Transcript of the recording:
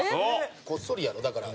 こっそりやろだから。